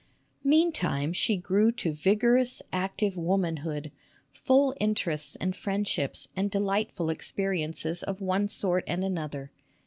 [eantime she grew to vigorous, active womanhood, full interests and friendships and delightful experiences >f one sort and another.